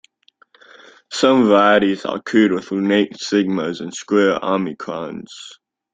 Some varieties are crude with lunate sigmas and square omicrons.